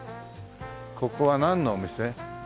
ここはなんのお店？